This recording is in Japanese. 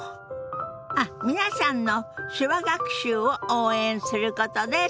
あっ皆さんの手話学習を応援することです！